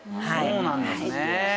そうなんですね。